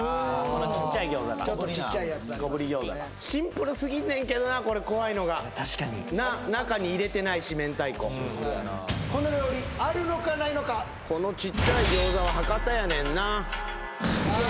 このちっちゃい餃子が小ぶり餃子がシンプルすぎんねんけどなこれ怖いのが確かになっ中に入れてないし明太子この料理あるのかないのかこのちっちゃい餃子は博多やねんなさあ